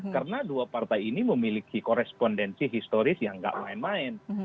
karena dua partai ini memiliki korespondensi historis yang nggak main main